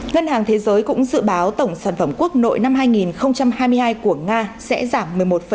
ngân hàng thế giới cũng dự báo tổng sản phẩm quốc nội năm hai nghìn hai mươi hai của nga sẽ giảm một mươi một năm